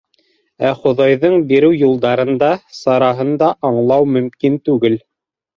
Ә хоҙайҙың биреү юлдарын да, сараһын да аңлау мөмкин түгел.